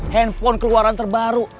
handphone keluaran terbaru